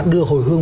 đưa hồi hương